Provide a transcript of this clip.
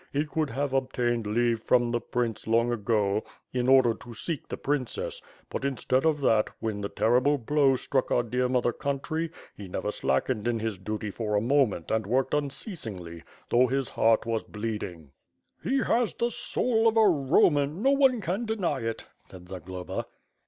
He could have ob tained leave from the prince long ago, in order to seek the princess; but, instead of that, when the terrible blow struck our dear mother country, he never slackened in his duty for a moment and worked unceasingly, though his heart was bleeding." "He has the soul of a Roman, no one can deny it," said Zagloba.